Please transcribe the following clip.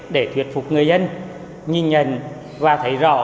để thuyết phục người dân nhìn nhận và thấy rõ